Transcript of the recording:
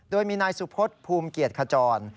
โดยมีนายสุพศภูมิเกียรติขจร